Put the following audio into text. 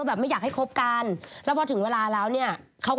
อะไรกะพ่อไหม้แบบโตโน้ภาคินอืม